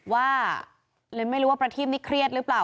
ว่าเลยไม่รู้ว่าประทีพนี่เครียดหรือเปล่า